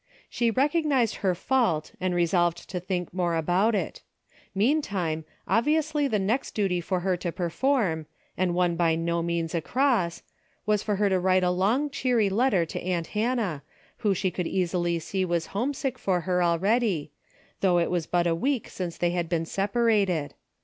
She recognized her fault and resolved to think more about it. Meantime, obviously the next duty for her to perform, and one by no means a cross, was for her to write a long cheery letter to aunt Hannah, who she could easily see was homesick for her already, though it Avas but a Aveek since they had been sep arated.